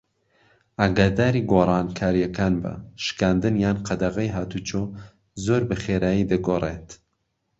ئاگاداری گۆڕانکارییەکان بە - شکاندن یان قەدەغەی هاتووچۆ زۆر بەخێرایی دەگۆڕێت.